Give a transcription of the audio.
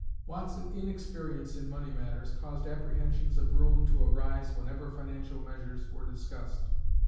Watt's inexperience in money matters caused apprehensions of ruin to arise whenever financial measures were discussed.